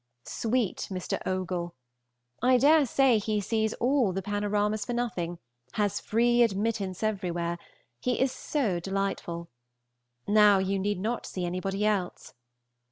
Sweet Mr. Ogle! I dare say he sees all the panoramas for nothing, has free admittance everywhere; he is so delightful! Now, you need not see anybody else.